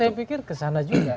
saya pikir kesana juga